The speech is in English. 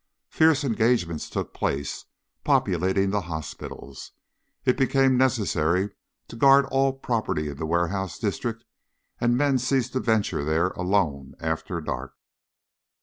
Fierce engagements took place, populating the hospitals. It became necessary to guard all property in the warehouse districts, and men ceased to venture there alone after dark.